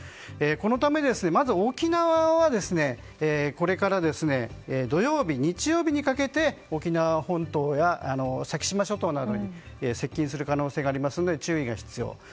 このため、まず沖縄はこれから土曜日、日曜日にかけて沖縄本島や、先島諸島などに接近する可能性がありますので注意が必要です。